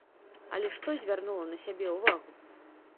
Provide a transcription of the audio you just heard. Але што звярнула на сябе ўвагу?